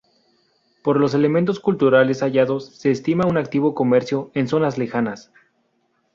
Por los elementos culturales hallados se estima un activo comercio con zonas lejanas.